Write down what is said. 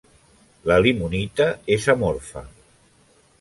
La limonita és amorfa.